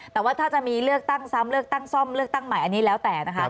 แต่ว่าถ้าจะมีเลือกตั้งซ้ำเลือกตั้งซ่อมเลือกตั้งใหม่อันนี้แล้วแต่นะคะ